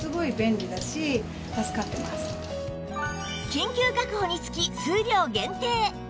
緊急確保につき数量限定！